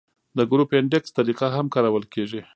د ګروپ انډیکس طریقه هم کارول کیږي